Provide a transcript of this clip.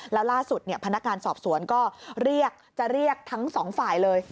แล้วล่าสุดพนักงานสอบสวนก็เรียกจะเรียกทั้งสองฝ่ายเลย